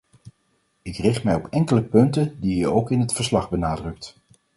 Ik richt mij op enkele punten die u ook in verslag benadrukt.